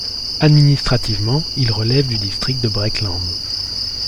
Administrativement, il relève du district de Breckland.